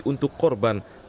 untuk korban dan pelaku